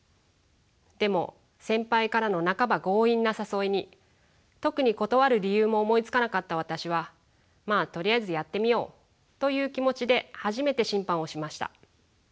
でも先輩からの半ば強引な誘いに特に断る理由も思いつかなかった私はまあとりあえずやってみようという気持ちで初めて審判をしました。